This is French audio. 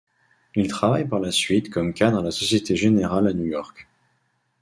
Il travaille par la suite comme cadre à la Société Générale à New York.